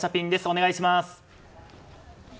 お願いします。